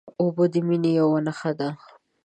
اوبه د مینې یوه نښه ده.